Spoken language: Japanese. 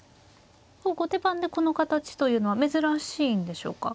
後手番でこの形というのは珍しいんでしょうか。